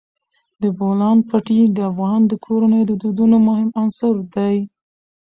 د بولان پټي د افغان کورنیو د دودونو مهم عنصر دی.